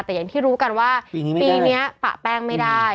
แต่อย่างที่รู้กันว่าปีนี้ปะแป้งไม่ได้